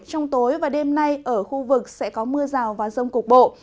trong tối và đêm nay ở khu vực sẽ có mưa rào và rông cục bộ